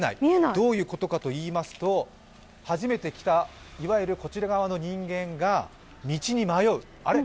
どういうことかと言いますと初めて来た、いわゆるこちら側の人間が道に迷う、あれ？